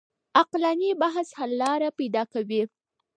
عقلاني بحث حل لاره پيدا کوي.